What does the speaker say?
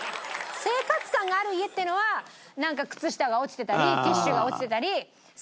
生活感がある家っていうのはなんか靴下が落ちてたりティッシュが落ちてたり。